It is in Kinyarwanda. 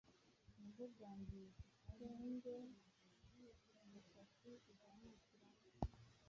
nabyo byangiza utwenge umusatsi uzamukamo,